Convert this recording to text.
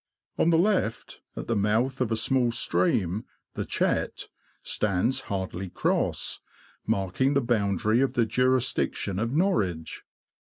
On the left, at the mouth of a small stream, the Chet, stands Hardley Cross, marking the boun dary of the jurisdiction of Norwich.